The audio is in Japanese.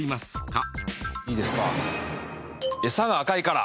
いいですか？